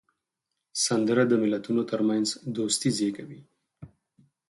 سندره د ملتونو ترمنځ دوستي زیږوي